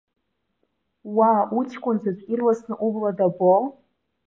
Уа, уҷкәын заҵәы иаарласны убла дабо!